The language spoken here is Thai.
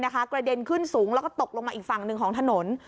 กระเด็นขึ้นสูงแล้วก็ตกลงมาอีกฝั่งหนึ่งของถนน